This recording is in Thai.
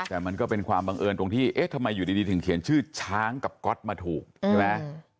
แต่มันก็เป็นความบังเอิญตรงที่เอ๊ะทำไมอยู่ดีถึงเขียนชื่อช้างกับก๊อตมาถูกใช่ไหม